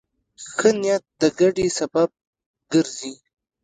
ښه نیت د ګټې سبب ګرځي.